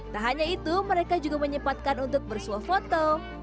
tak hanya itu mereka juga menyempatkan untuk bersuah foto